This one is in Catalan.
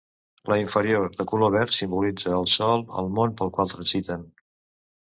La inferior, de color verd, simbolitza el sòl, el món pel qual transiten.